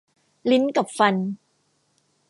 ลิ้นกับฟัน